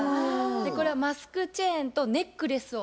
これはマスクチェーンとネックレスを。